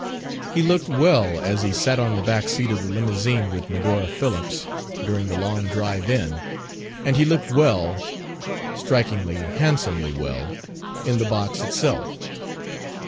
He looked well as he sat on the back seat of the limousine with Medora Phillips, during the long drive in; and he looked well strikingly, handsomely well in the box itself.